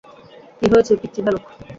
কী হয়েছে, পিচ্চি ভালুক?